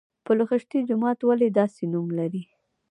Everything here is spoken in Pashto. پل خشتي جومات ولې داسې نوم لري؟